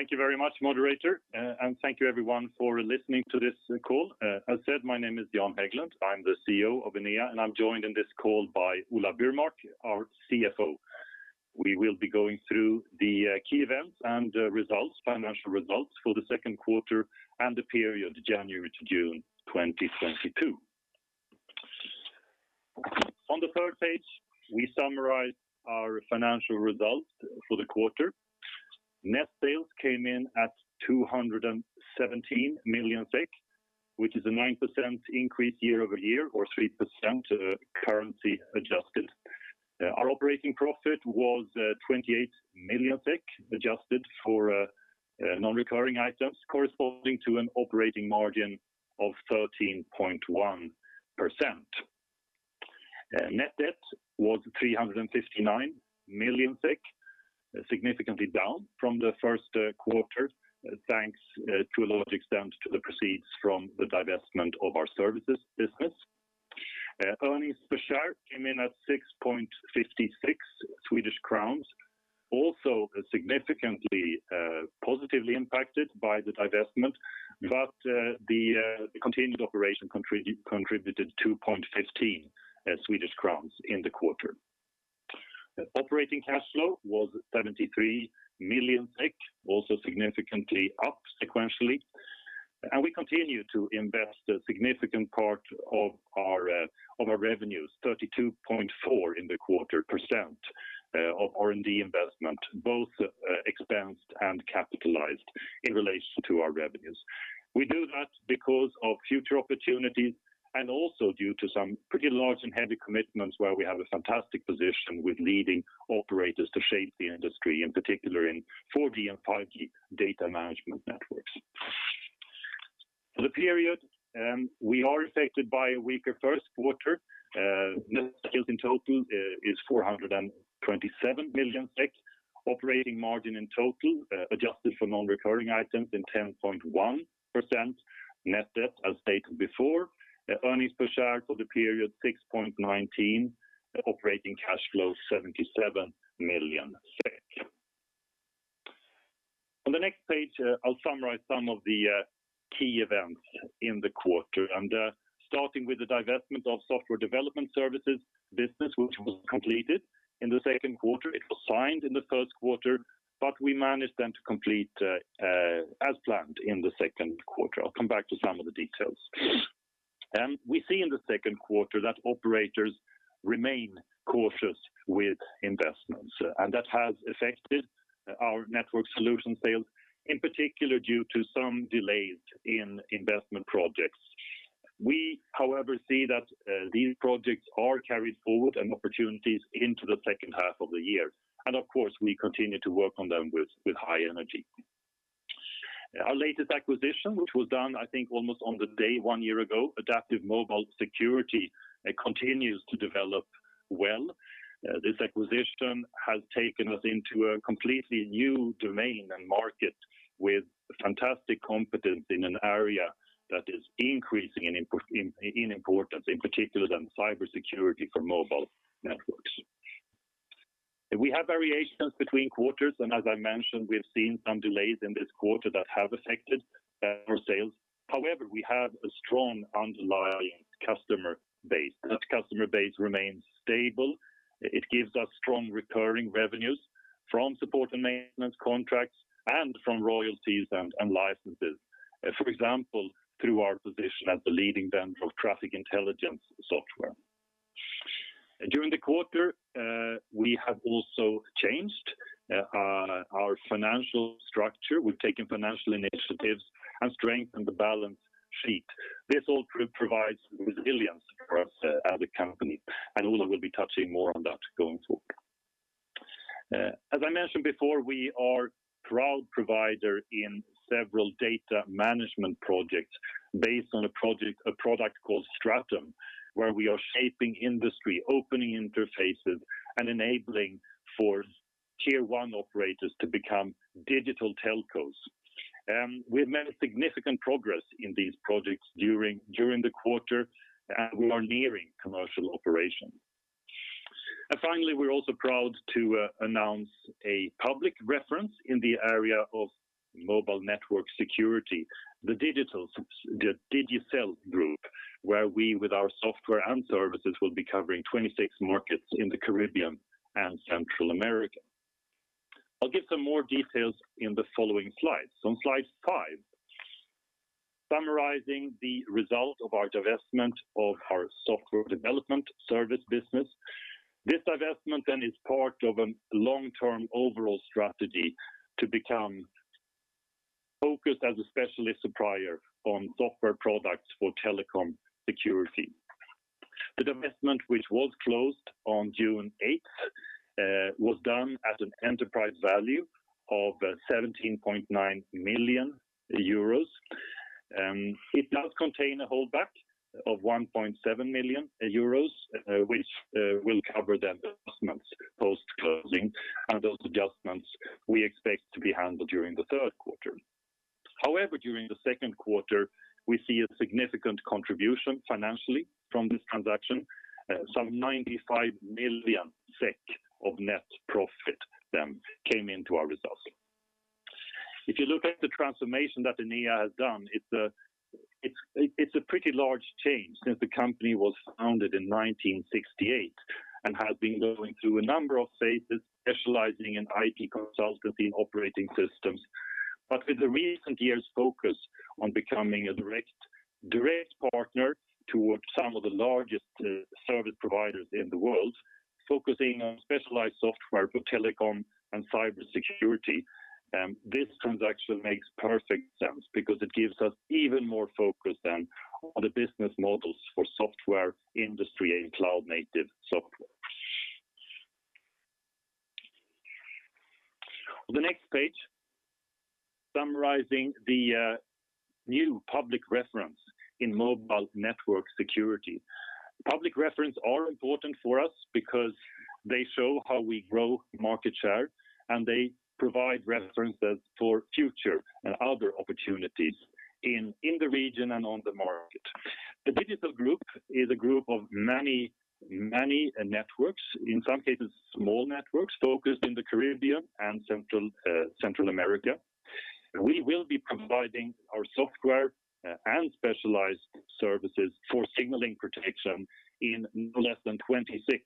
Thank you very much, moderator, and thank you everyone for listening to this call. As said, my name is Jan Häglund. I'm the CEO of Enea, and I'm joined in this call by Ola Burmark, our CFO. We will be going through the key events and results, financial results for the second quarter and the period January to June 2022. On the third page, we summarize our financial results for the quarter. Net sales came in at 217 million SEK, which is a 9% increase year-over-year or 3%, currency adjusted. Our operating profit was 28 million SEK adjusted for non-recurring items corresponding to an operating margin of 13.1%. Net debt was 359 million SEK, significantly down from the first quarter, thanks to a large extent to the proceeds from the divestment of our services business. Earnings per share came in at 6.56 Swedish crowns, also significantly positively impacted by the divestment, but the continued operation contributed 2.15 Swedish crowns in the quarter. Operating cash flow was 73 million, also significantly up sequentially. We continue to invest a significant part of our revenues, 32.4% in the quarter of R&D investment, both expensed and capitalized in relation to our revenues. We do that because of future opportunities and also due to some pretty large and heavy commitments where we have a fantastic position with leading operators to shape the industry, in particular in 4G and 5G data management networks. For the period, we are affected by a weaker first quarter. Net sales in total is 427 million. Operating margin in total, adjusted for non-recurring items in 10.1%. Net debt, as stated before. Earnings per share for the period, 6.19. Operating cash flow, 77 million. On the next page, I'll summarize some of the key events in the quarter. Starting with the divestment of software development services business, which was completed in the second quarter. It was signed in the first quarter, but we managed then to complete as planned in the second quarter. I'll come back to some of the details. We see in the second quarter that operators remain cautious with investments, and that has affected our network solution sales, in particular due to some delays in investment projects. We, however, see that these projects are carried forward and opportunities into the second half of the year. Of course, we continue to work on them with high energy. Our latest acquisition, which was done, I think, almost on the day one year ago, AdaptiveMobile Security, it continues to develop well. This acquisition has taken us into a completely new domain and market with fantastic competence in an area that is increasing in importance, in particular in cybersecurity for mobile networks. We have variations between quarters, and as I mentioned, we've seen some delays in this quarter that have affected our sales. However, we have a strong underlying customer base. That customer base remains stable. It gives us strong recurring revenues from support and maintenance contracts and from royalties and licenses. For example, through our position as the leading vendor of traffic intelligence software. During the quarter, we have also changed our financial structure. We've taken financial initiatives and strengthened the balance sheet. This all provides resilience for us as a company, and Ola will be touching more on that going forward. As I mentioned before, we are proud provider in several data management projects based on a product called Stratum, where we are shaping industry, opening interfaces, and enabling for tier one operators to become digital telcos. We've made significant progress in these projects during the quarter, and we are nearing commercial operation. Finally, we're also proud to announce a public reference in the area of mobile network security, the Digicel Group, where we, with our software and services, will be covering 26 markets in the Caribbean and Central America. I'll give some more details in the following slides. On slide five, summarizing the result of our divestment of our software development service business. This divestment is part of a long-term overall strategy to become focused as a specialist supplier on software products for telecom security. The divestment, which was closed on June 8th, was done at an enterprise value of 17.9 million euros. It does contain a holdback of 1.7 million euros, which will cover the adjustments post-closing, and those adjustments we expect to be handled during the third quarter. However, during the second quarter, we see a significant contribution financially from this transaction. Some 95 million SEK of net profit then came into our results. If you look at the transformation that Enea has done, it's a pretty large change since the company was founded in 1968 and has been going through a number of phases specializing in IT consultancy and operating systems. With the recent years focus on becoming a direct partner towards some of the largest service providers in the world, focusing on specialized software for telecom and cybersecurity, this transaction makes perfect sense because it gives us even more focus than other business models for software industry and cloud-native software. On the next page, summarizing the new public reference in mobile network security. Public reference are important for us because they show how we grow market share, and they provide references for future and other opportunities in the region and on the market. The Digicel Group is a group of many many networks, in some cases, small networks focused in the Caribbean and Central America. We will be providing our software and specialized services for signaling protection in less than 26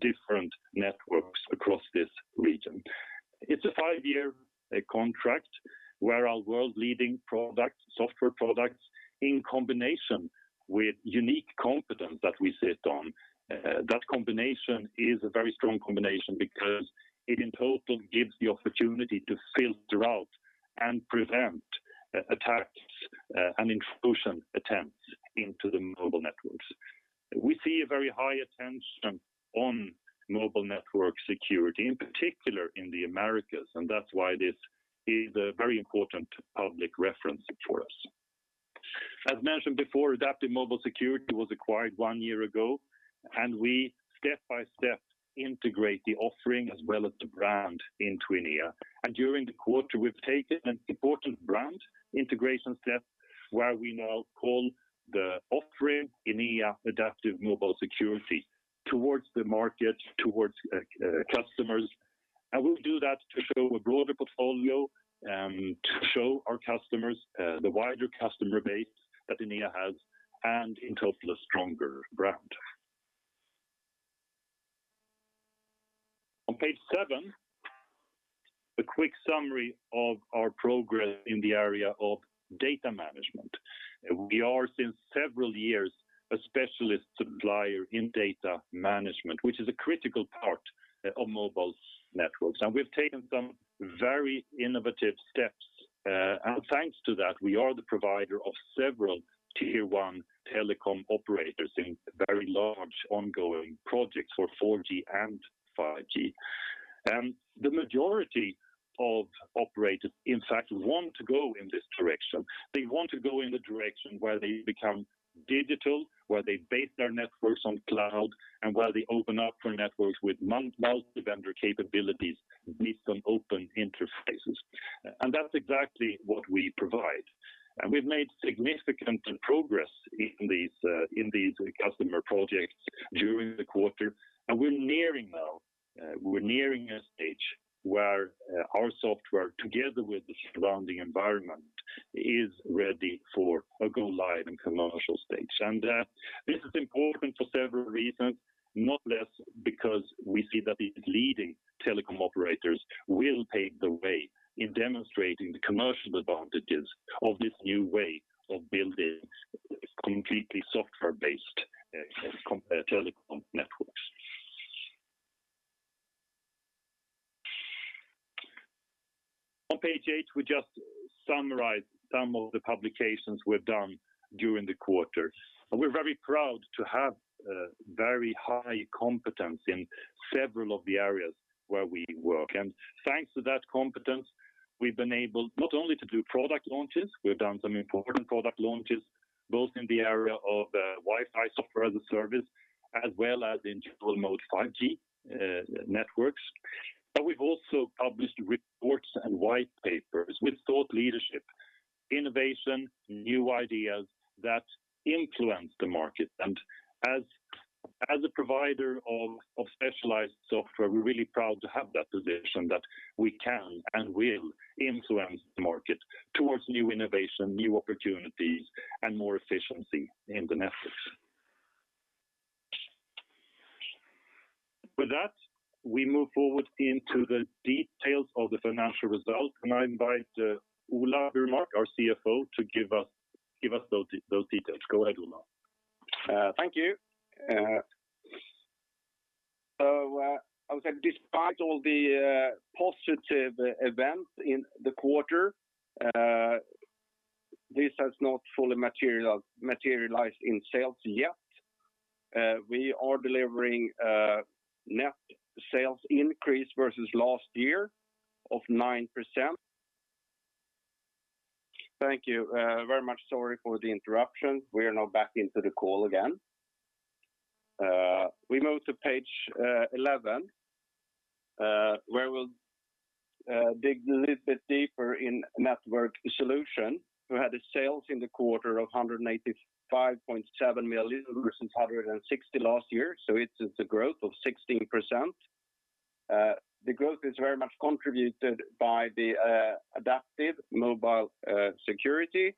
different networks across this region. It's a five-year contract where our world-leading products, software products, in combination with unique competence that we sit on, that combination is a very strong combination because it in total gives the opportunity to filter out and prevent attacks, and intrusion attempts into the mobile networks. We see a very high attention on mobile network security, in particular in the Americas, and that's why this is a very important public reference for us. As mentioned before, AdaptiveMobile Security was acquired one year ago, and we step-by-step integrate the offering as well as the brand into Enea. During the quarter, we've taken an important brand integration step where we now call the offering Enea AdaptiveMobile Security towards the market, towards customers. We'll do that to show a broader portfolio and to show our customers the wider customer base that Enea has and in total a stronger brand. On page seven, a quick summary of our progress in the area of data management. We are since several years a specialist supplier in data management, which is a critical part of mobile networks. We've taken some very innovative steps. Thanks to that, we are the provider of several tier one telecom operators in very large ongoing projects for 4G and 5G. The majority of operators, in fact, want to go in this direction. They want to go in the direction where they become digital, where they base their networks on cloud, and where they open up for networks with multi-vendor capabilities with some open interfaces. That's exactly what we provide. We've made significant progress in these customer projects during the quarter. We're nearing now a stage where our software, together with the surrounding environment, is ready for a go-live and commercial stage. This is important for several reasons, not least because we see that these leading telecom operators will pave the way in demonstrating the commercial advantages of this new way of building completely software-based telecom networks. On page eight, we just summarize some of the publications we've done during the quarter. We're very proud to have very high competence in several of the areas where we work. Thanks to that competence, we've been able not only to do product launches, we've done some important product launches, both in the area of Wi-Fi software as a service, as well as in general mode 5G networks. We've also published reports and white papers with thought leadership, innovation, new ideas that influence the market. As a provider of specialized software, we're really proud to have that position that we can and will influence the market towards new innovation, new opportunities, and more efficiency in the networks. With that, we move forward into the details of the financial results, and I invite Ola Burmark, our CFO, to give us those details. Go ahead, Ola. Thank you. So, I would say despite all the positive events in the quarter, this has not fully materialized in sales yet. We are delivering a net sales increase versus last year of 9%. Thank you very much. Sorry for the interruption. We are now back into the call again. We move to page 11, where we'll dig a little bit deeper in network solutions. We had the sales in the quarter of 185.7 million versus 160 million last year, so it's a growth of 16%. The growth is very much contributed by the AdaptiveMobile Security.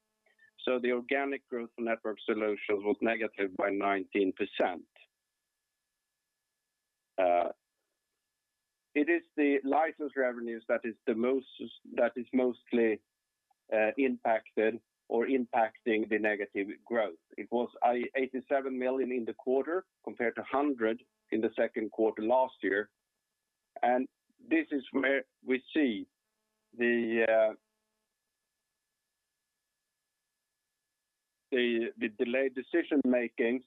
So the organic growth network solutions was negative by 19%. It is the license revenues that is mostly impacted or impacting the negative growth. It was 87 million in the quarter compared to 100 million in the second quarter last year. This is where we see the delayed decision-makings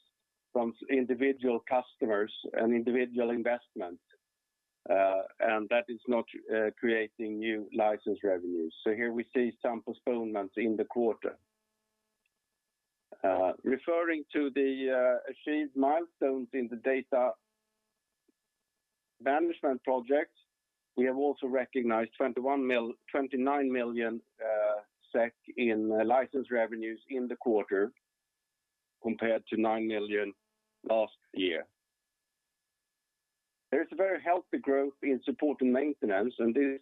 from individual customers and individual investments, and that is not creating new license revenues. Here we see some postponements in the quarter. Referring to the achieved milestones in the data management project, we have also recognized 29 million SEK in license revenues in the quarter compared to 9 million last year. There is a very healthy growth in support and maintenance, and this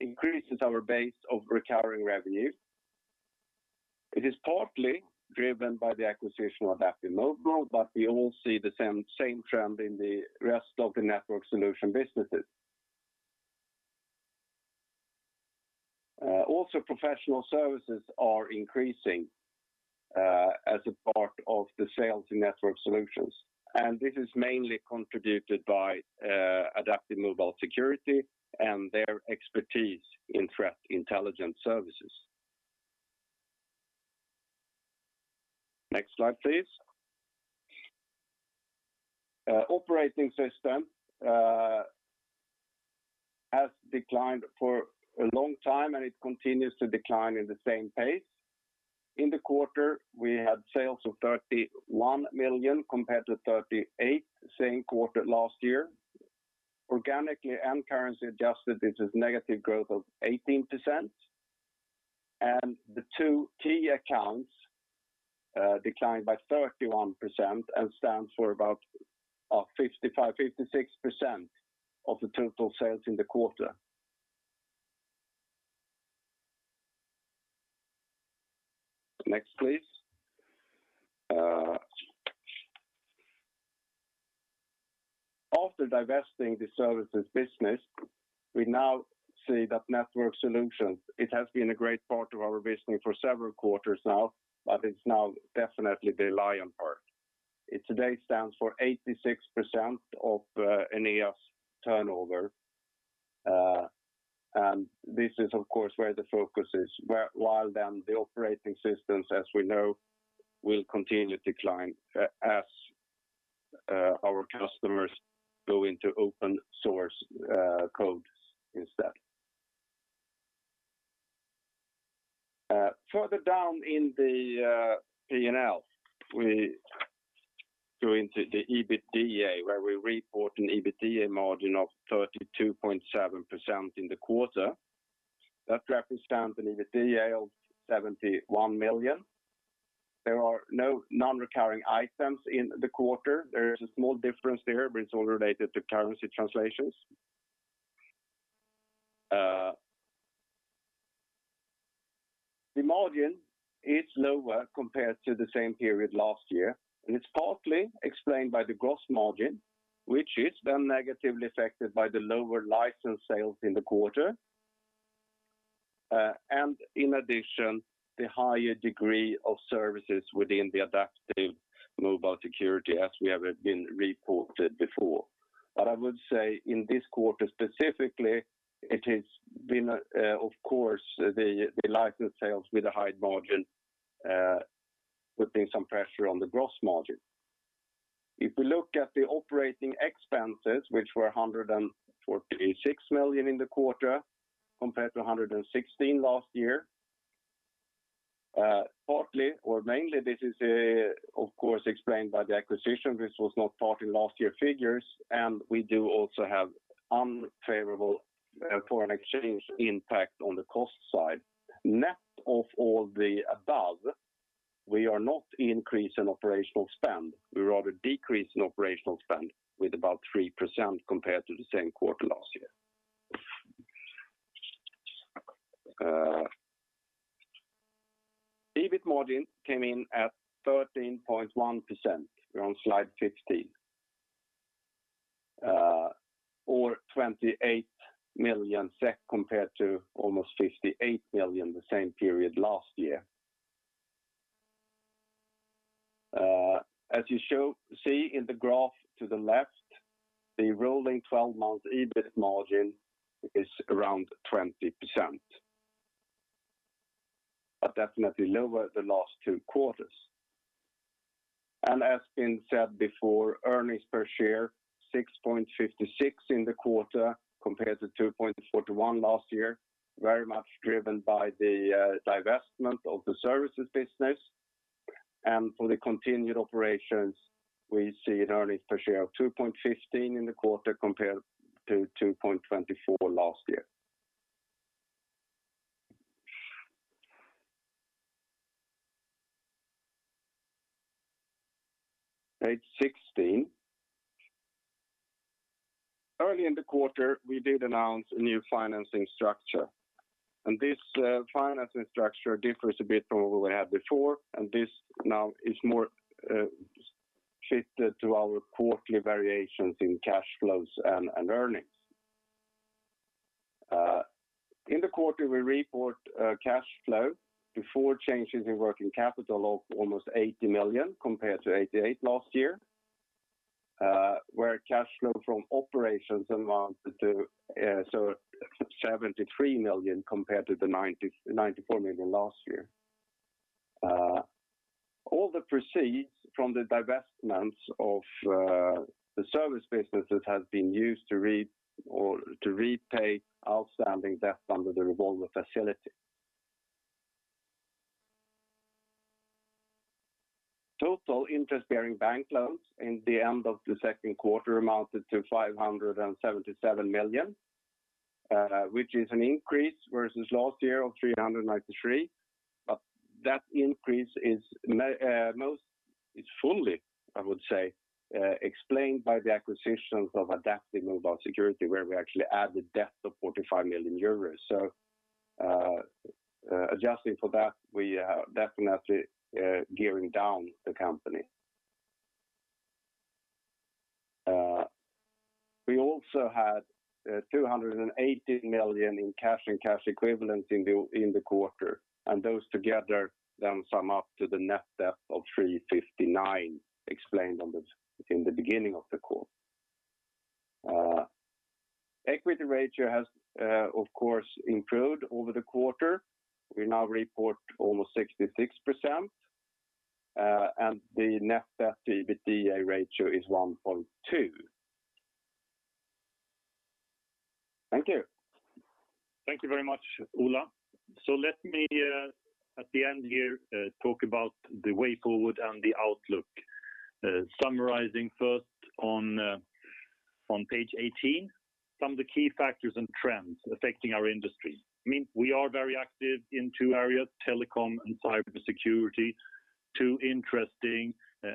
increases our base of recurring revenue. It is partly driven by the acquisition of AdaptiveMobile, but we all see the same trend in the rest of the network solution businesses. Also, professional services are increasing as a part of the sales in network solutions, and this is mainly contributed by AdaptiveMobile Security and their expertise in threat intelligence services. Next slide, please. Operating system has declined for a long time, and it continues to decline in the same pace. In the quarter, we had sales of 31 million compared to 38 million same quarter last year. Organically and currency adjusted, this is negative growth of 18%. The two key accounts declined by 31% and stands for about 55%, 56% of the total sales in the quarter. Next, please. After divesting the services business, we now see that network solutions, it has been a great part of our business for several quarters now, but it's now definitely the lion part. It today stands for 86% of Enea's turnover, and this is of course where the focus is. While then the operating systems, as we know, will continue to decline as our customers go into open source codes instead. Further down in the P&L, we go into the EBITDA, where we report an EBITDA margin of 32.7% in the quarter. That represents an EBITDA of 71 million. There are no non-recurring items in the quarter. There is a small difference there, but it's all related to currency translations. The margin is lower compared to the same period last year, and it's partly explained by the gross margin, which is then negatively affected by the lower license sales in the quarter. In addition, the higher degree of services within the AdaptiveMobile Security, as we have been reported before. I would say in this quarter specifically, it has been, of course, the license sales with a high margin putting some pressure on the gross margin. If we look at the operating expenses, which were 146 million in the quarter compared to 116 million last year, partly or mainly this is, of course, explained by the acquisition. This was not part of last year figures, and we do also have unfavorable foreign exchange impact on the cost side. Net of all the above, we are not increasing operational spend. We're rather decreasing operational spend with about 3% compared to the same quarter last year. EBIT margin came in at 13.1%. We're on slide 15. Or 28 million SEK compared to almost 58 million the same period last year. As you see in the graph to the left, the rolling 12-month EBIT margin is around 20%, but definitely lower the last two quarters. As has been said before, earnings per share 6.56 in the quarter compared to 2.41 last year, very much driven by the divestment of the services business. For the continued operations, we see an earnings per share of 2.15 in the quarter compared to 2.24 last year. Page 16. Early in the quarter, we did announce a new financing structure. This financing structure differs a bit from what we had before, and this now is more shifted to our quarterly variations in cash flows and earnings. In the quarter, we report cash flow before changes in working capital of almost 80 million compared to 88 million last year, where cash flow from operations amounted to 73 million compared to 94 million last year. All the proceeds from the divestments of the service businesses have been used to repay outstanding debt under the revolver facility. Total interest-bearing bank loans at the end of the second quarter amounted to 577 million, which is an increase versus last year of 393 million. That increase is it's fully, I would say, explained by the acquisition of AdaptiveMobile Security, where we actually added debt of 45 million euros. Adjusting for that, we are definitely gearing down the company. We also had 280 million in cash and cash equivalents in the quarter, and those together then sum up to the net debt of 359 million explained in the beginning of the call. Equity ratio has, of course, improved over the quarter. We now report almost 66%, and the net debt to EBITDA ratio is 1.2. Thank you. Thank you very much, Ola. Let me at the end here talk about the way forward and the outlook. Summarizing first on page 18, some of the key factors and trends affecting our industry. I mean, we are very active in two areas, telecom and cybersecurity, two interesting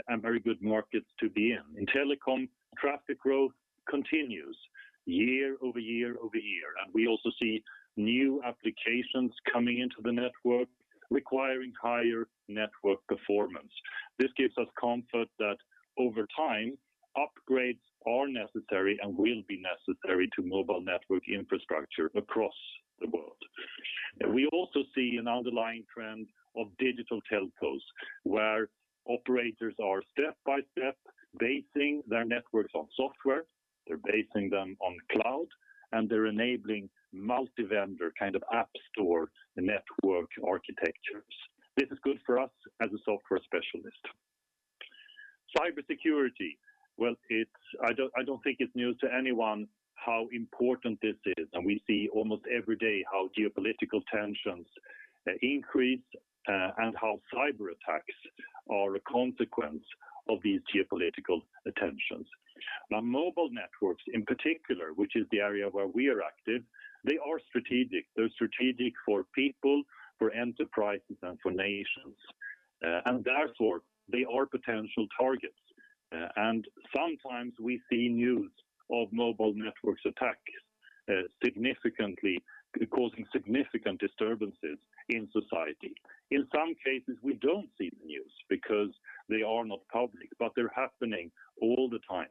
and very good markets to be in. In telecom, traffic growth continues year-over-year-over-year. We also see new applications coming into the network requiring higher network performance. This gives us comfort that over time, upgrades are necessary and will be necessary to mobile network infrastructure across the world. We also see an underlying trend of digital telcos, where operators are step-by-step basing their networks on software, they're basing them on cloud, and they're enabling multi-vendor kind of app store network architectures. This is good for us as a software specialist. Cybersecurity. Well, I don't think it's news to anyone how important this is. We see almost every day how geopolitical tensions increase and how cyberattacks are a consequence of these geopolitical tensions. Now, mobile networks in particular, which is the area where we are active, they are strategic. They're strategic for people, for enterprises, and for nations. Therefore, they are potential targets. Sometimes we see news of mobile networks attacks, causing significant disturbances in society. In some cases, we don't see the news because they are not public, but they're happening all the time.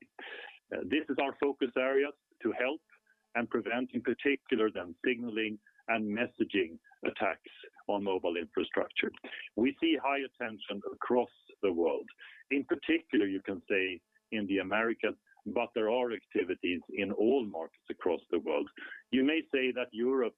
This is our focus area to help and prevent, in particular, the signaling and messaging attacks on mobile infrastructure. We see high attention across the world, in particular, you can say in the Americas, but there are activities in all markets across the world. You may say that Europe,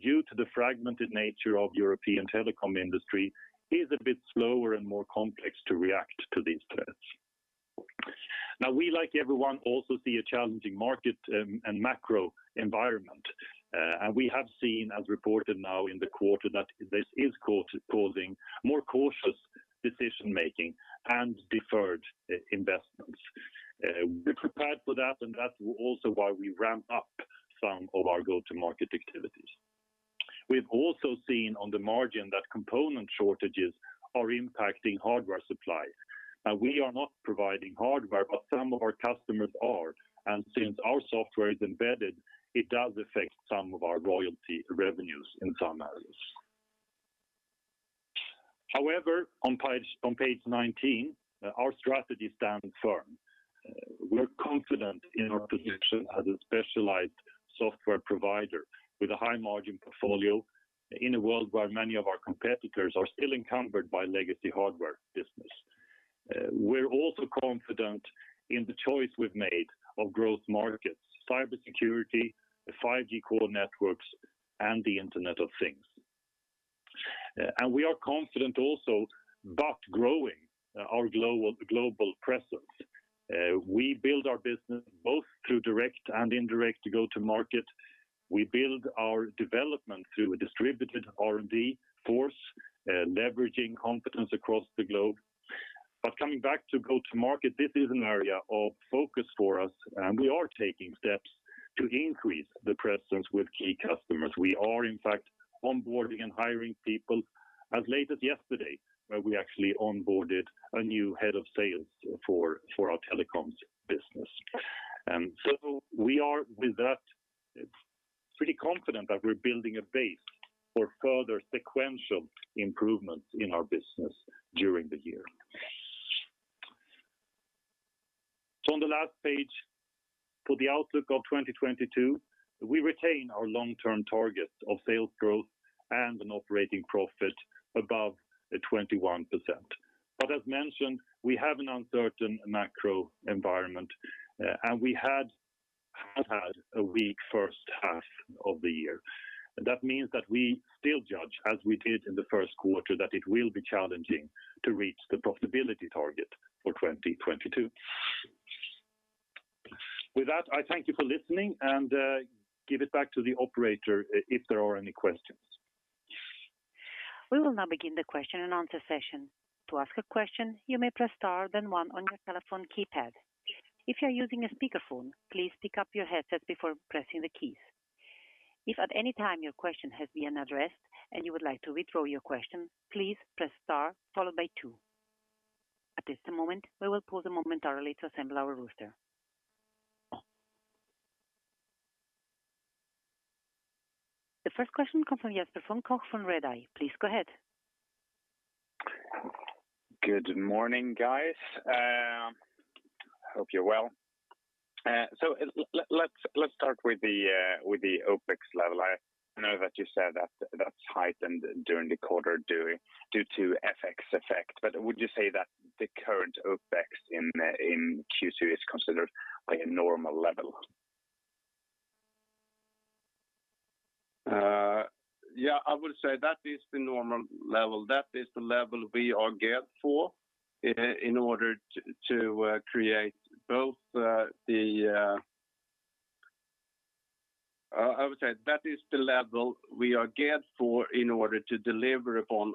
due to the fragmented nature of European telecom industry, is a bit slower and more complex to react to these threats. Now, we, like everyone, also see a challenging market and macro environment. We have seen, as reported now in the quarter, that this is causing more cautious decision-making and deferred investments. We're prepared for that, and that's also why we ramped up some of our go-to-market activities. We've also seen on the margin that component shortages are impacting hardware supply. Now, we are not providing hardware, but some of our customers are. And since our software is embedded, it does affect some of our royalty revenues in some areas. However, on page nineteen, our strategy stands firm. We're confident in our position as a specialized software provider with a high-margin portfolio in a world where many of our competitors are still encumbered by legacy hardware business. We're also confident in the choice we've made of growth markets, cybersecurity, the 5G core networks, and the Internet of Things. We are confident also, but growing our global presence. We build our business both through direct and indirect go-to-market. We build our development through a distributed R&D force, leveraging competence across the globe. Coming back to go-to-market, this is an area of focus for us, and we are taking steps to increase the presence with key customers. We are in fact onboarding and hiring people. As late as yesterday, we actually onboarded a new head of sales for our telecoms business. We are with that pretty confident that we're building a base for further sequential improvements in our business during the year. On the last page, for the outlook of 2022, we retain our long-term target of sales growth and an operating profit above 21%. As mentioned, we have an uncertain macro environment, and we have had a weak first half of the year. That means that we still judge, as we did in the first quarter, that it will be challenging to reach the profitability target for 2022. With that, I thank you for listening and give it back to the operator if there are any questions. We will now begin the question and answer session. To ask a question, you may press star then one on your telephone keypad. If you are using a speakerphone, please pick up your headset before pressing the keys. If at any time your question has been addressed and you would like to withdraw your question, please press star followed by two. At this moment, we will pause momentarily to assemble our roster. The first question comes from Jesper von Koch from Redeye. Please go ahead. Good morning, guys. Hope you're well. Let's start with the OpEx level. I know that you said that that's heightened during the quarter due to FX effect. Would you say that the current OpEx in Q2 is considered like a normal level? Yeah, I would say that is the normal level. That is the level we are geared for in order to deliver upon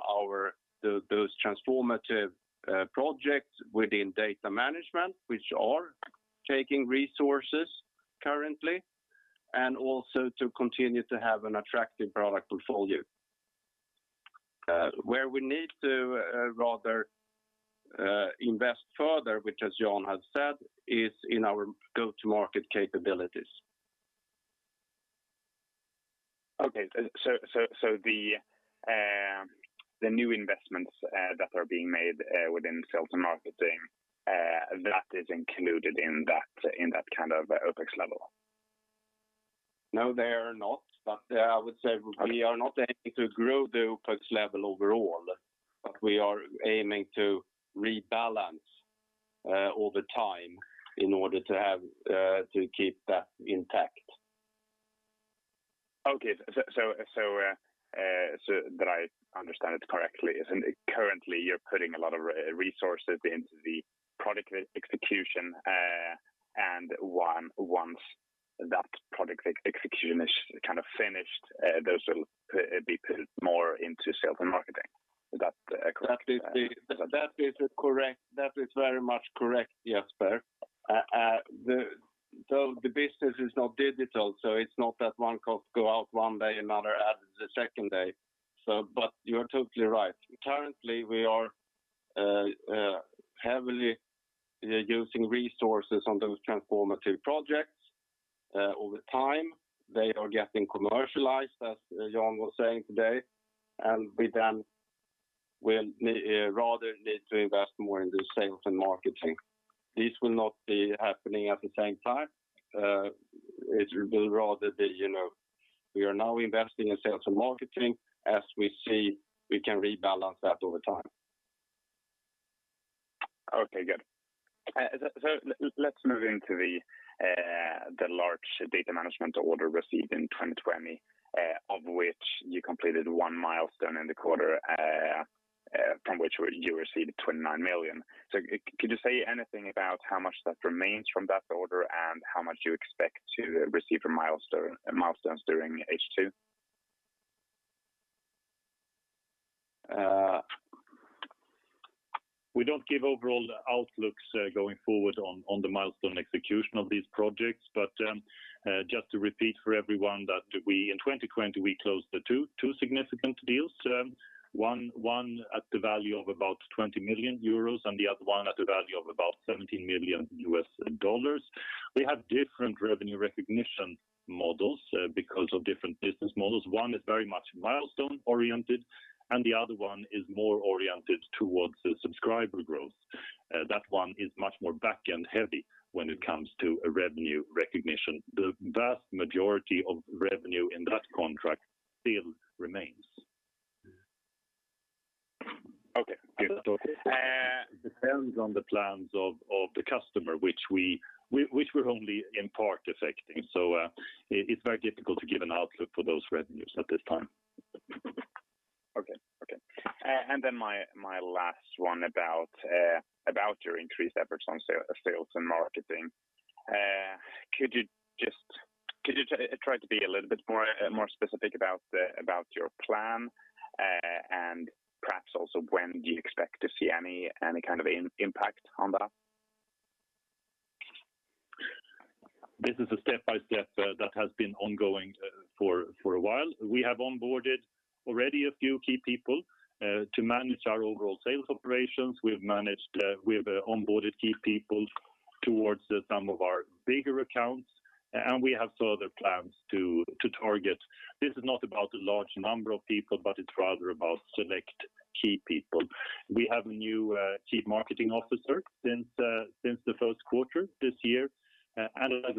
those transformative projects within data management, which are taking resources currently, and also to continue to have an attractive product portfolio, where we need to rather invest further, which as Jan has said, is in our go-to-market capabilities. The new investments that are being made within sales and marketing that is included in that kind of OpEx level? No, they are not. I would say we are not aiming to grow the OpEx level overall, but we are aiming to rebalance over time in order to have to keep that intact. Okay. So that I understand it correctly, isn't it currently you're putting a lot of resources into the product execution, and once that product execution is kind of finished, those will be put more into sales and marketing. Is that correct? That is correct. That is very much correct, Jesper. The business is not digital, so it's not that one cost go out one day, another added the second day. But you are totally right. Currently, we are heavily using resources on those transformative projects. Over time, they are getting commercialized, as Jan was saying today. We then will rather need to invest more in the sales and marketing. This will not be happening at the same time. It will rather be, you know, we are now investing in sales and marketing. As we see, we can rebalance that over time. Okay, good. Let's move into the large data management order received in 2020, of which you completed one milestone in the quarter, from which you received 29 million. Could you say anything about how much that remains from that order and how much you expect to receive a milestone, milestones during H2? We don't give overall the outlooks going forward on the milestone execution of these projects. Just to repeat for everyone that in 2020, we closed two significant deals. One at the value of about 20 million euros and the other one at a value of about $17 million. We have different revenue recognition models because of different business models. One is very much milestone oriented, and the other one is more oriented towards the subscriber growth. That one is much more back-end heavy when it comes to a revenue recognition. The vast majority of revenue in that contract still remains. Okay. Good. Depends on the plans of the customer, which we're only in part affecting. It's very difficult to give an outlook for those revenues at this time. My last one about your increased efforts on sales and marketing. Could you try to be a little bit more specific about your plan, and perhaps also when do you expect to see any kind of impact on that? This is a step-by-step that has been ongoing for a while. We have onboarded already a few key people to manage our overall sales operations. We have onboarded key people towards some of our bigger accounts, and we have further plans to target. This is not about a large number of people, but it's rather about select key people. We have a new chief marketing officer since the first quarter this year. As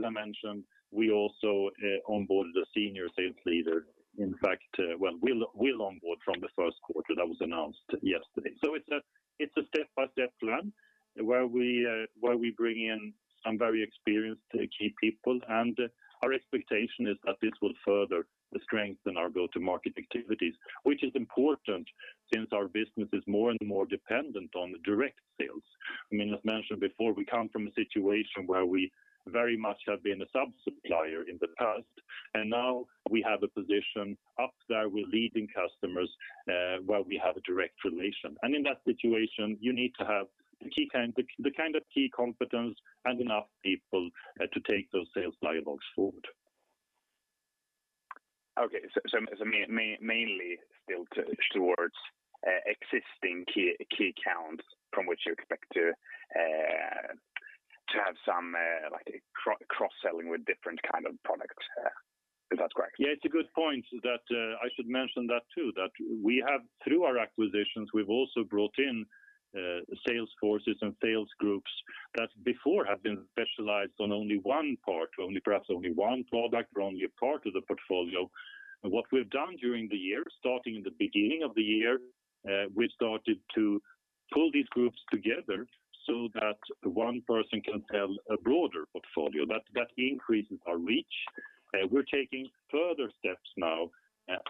I mentioned, we also onboarded a senior sales leader. In fact, we'll onboard from the first quarter that was announced yesterday. It's a step-by-step plan where we bring in some very experienced key people. Our expectation is that this will further strengthen our go-to-market activities, which is important since our business is more and more dependent on direct sales. I mean, as mentioned before, we come from a situation where we very much have been a sub-supplier in the past, and now we have a position up there with leading customers, where we have a direct relation. In that situation, you need to have the kind of key competence and enough people to take those sales dialogues forward. Okay. Mainly still toward existing key accounts from which you expect to have some like cross-selling with different kind of products, if that's correct. Yeah, it's a good point that I should mention that too. That we have, through our acquisitions, we've also brought in sales forces and sales groups that before have been specialized on only one part, only perhaps one product or only a part of the portfolio. What we've done during the year, starting in the beginning of the year, we started to pull these groups together so that one person can sell a broader portfolio. That increases our reach. We're taking further steps now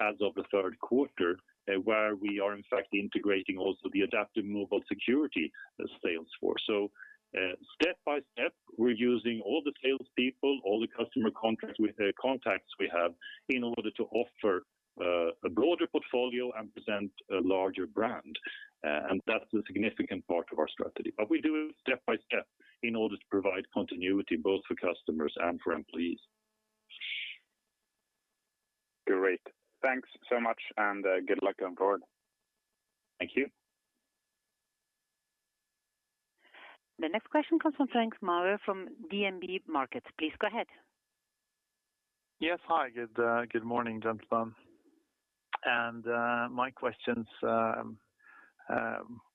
as of the third quarter, where we are in fact integrating also the AdaptiveMobile Security sales force. Step-by-step, we're using all the sales people, all the customer contacts we have in order to offer a broader portfolio and present a larger brand. That's a significant part of our strategy. We do it step-by-step in order to provide continuity both for customers and for employees. Great. Thanks so much and good luck going forward. Thank you. The next question comes from Frank Maaø from DNB Markets. Please go ahead. Yes. Hi, good morning, gentlemen. My questions,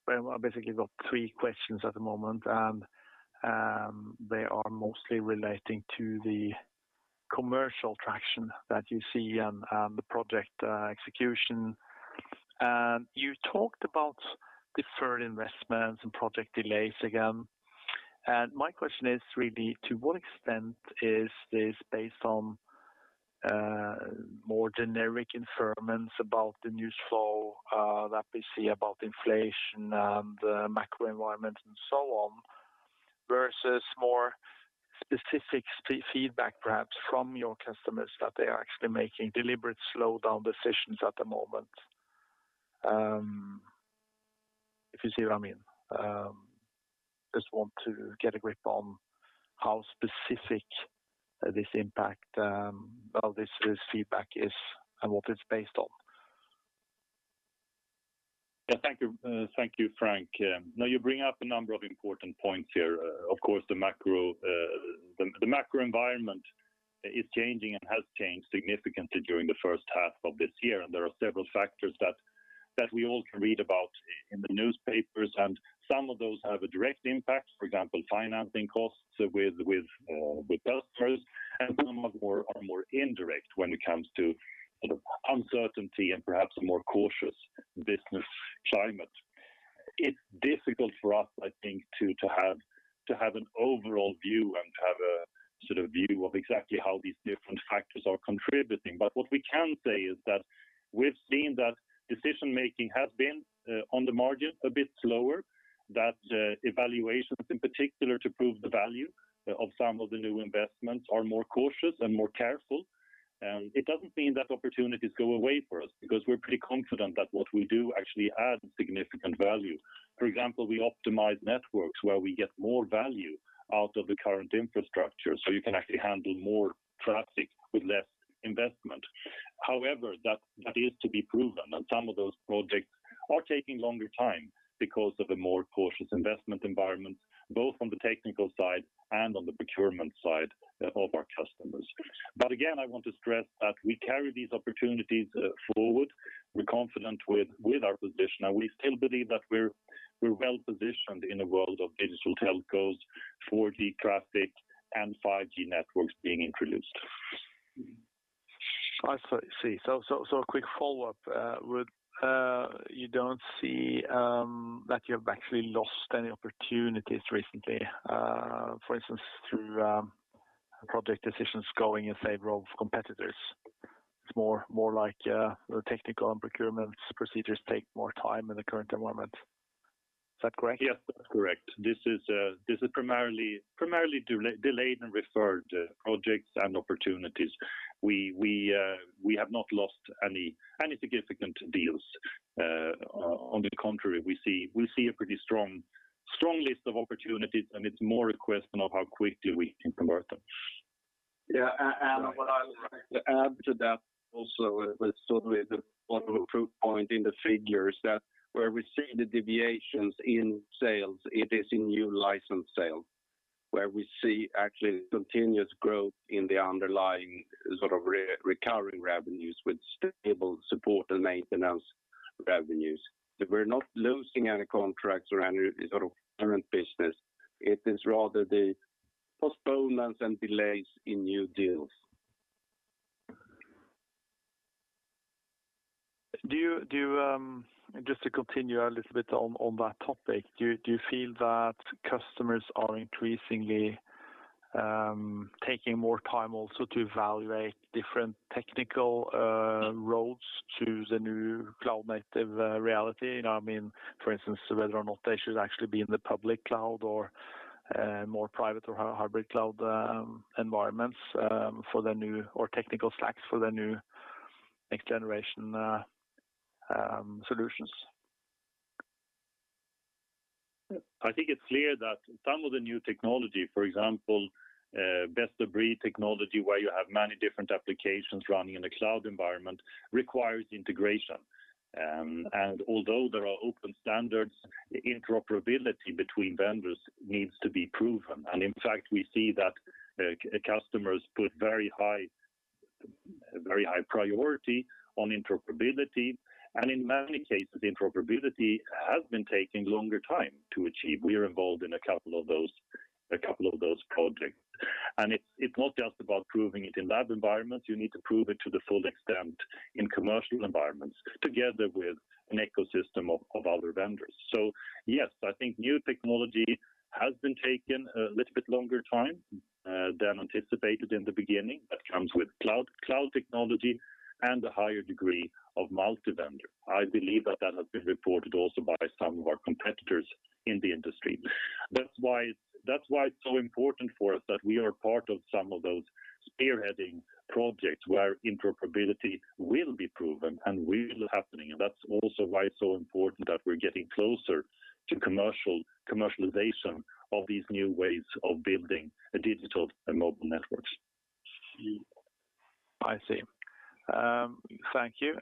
well, I basically got three questions at the moment, and they are mostly relating to the commercial traction that you see and the project execution. You talked about deferred investments and project delays again. My question is really to what extent is this based on more generic inferences about the news flow that we see about inflation and macro environment and so on, versus more specific feedback perhaps from your customers that they are actually making deliberate slowdown decisions at the moment? If you see what I mean. Just want to get a grip on how specific this impact or this feedback is and what it's based on. Yeah, thank you. Thank you, Frank. No, you bring up a number of important points here. Of course, the macro environment is changing and has changed significantly during the first half of this year. There are several factors that we all can read about in the newspapers, and some of those have a direct impact. For example, financing costs with customers and some are more indirect when it comes to sort of uncertainty and perhaps a more cautious business climate. It's difficult for us, I think, to have an overall view and to have a sort of view of exactly how these different factors are contributing. What we can say is that we've seen that decision-making has been on the margin a bit slower, that evaluations in particular to prove the value of some of the new investments are more cautious and more careful. It doesn't mean that opportunities go away for us because we're pretty confident that what we do actually adds significant value. For example, we optimize networks where we get more value out of the current infrastructure, so you can actually handle more traffic with less investment. However, that is to be proven, and some of those projects are taking longer time because of a more cautious investment environment, both on the technical side and on the procurement side of our customers. Again, I want to stress that we carry these opportunities forward. We're confident with our position, and we still believe that we're well-positioned in a world of digital telcos, 4G traffic, and 5G networks being introduced. I see. A quick follow-up. You don't see that you've actually lost any opportunities recently, for instance, through and project decisions going in favor of competitors. It's more like the technical and procurement procedures take more time in the current environment. Is that correct? Yes, that's correct. This is primarily delayed and deferred projects and opportunities. We have not lost any significant deals. On the contrary, we see a pretty strong list of opportunities, and it's more a question of how quickly we can convert them. What I would like to add to that also with sort of the one proof point in the figures that where we see the deviations in sales, it is in new license sales, where we see actually continuous growth in the underlying sort of recurring revenues with stable support and maintenance revenues. That we're not losing any contracts or any sort of current business. It is rather the postponements and delays in new deals. Just to continue a little bit on that topic, do you feel that customers are increasingly taking more time also to evaluate different technical roads to the new cloud-native reality? You know what I mean? For instance, whether or not they should actually be in the public cloud or more private or hybrid cloud environments for the newer technical stacks for the new next generation solutions. I think it's clear that some of the new technology, for example, best-of-breed technology, where you have many different applications running in the cloud environment, requires integration. Although there are open standards, interoperability between vendors needs to be proven. In fact, we see that customers put very high priority on interoperability. In many cases, interoperability has been taking longer time to achieve. We are involved in a couple of those projects. It's not just about proving it in lab environments. You need to prove it to the full extent in commercial environments together with an ecosystem of other vendors. Yes, I think new technology has been taking a little bit longer time than anticipated in the beginning. That comes with cloud technology and a higher degree of multi-vendor. I believe that has been reported also by some of our competitors in the industry. That's why it's so important for us that we are part of some of those spearheading projects where interoperability will be proven and will be happening. That's also why it's so important that we're getting closer to commercialization of these new ways of building digital and mobile networks. I see. Thank you.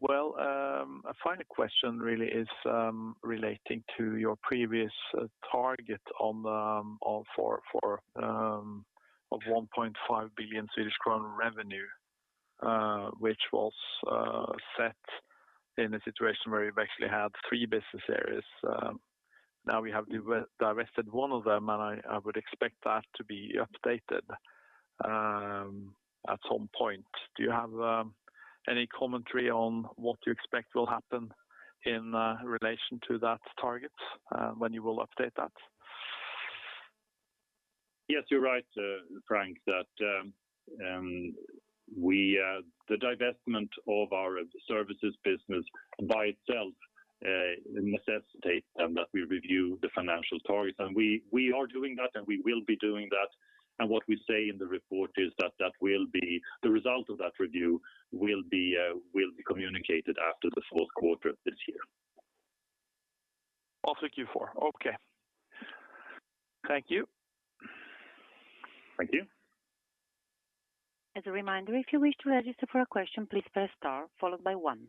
Well, a final question really is relating to your previous target of 1.5 billion Swedish crown revenue, which was set in a situation where you've actually had three business areas. Now we have divested one of them, and I would expect that to be updated at some point. Do you have any commentary on what you expect will happen in relation to that target, when you will update that? Yes, you're right, Frank, that the divestment of our services business by itself necessitates that we review the financial targets. We are doing that, and we will be doing that. What we say in the report is that the result of that review will be communicated after the fourth quarter this year. Also Q4. Okay. Thank you. Thank you. As a reminder, if you wish to register for a question, please press star followed by one.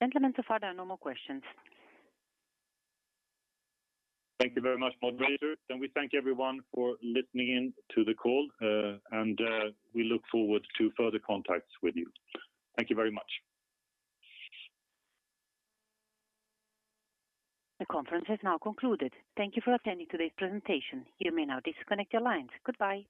Gentlemen, so far, there are no more questions. Thank you very much, moderator. We thank everyone for listening in to the call. We look forward to further contacts with you. Thank you very much. The conference has now concluded. Thank you for attending today's presentation. You may now disconnect your lines. Goodbye.